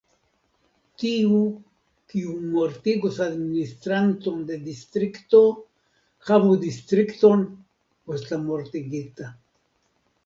Tiu, kiu mortigos administranton de distrikto, havu distrikton post la mortigita.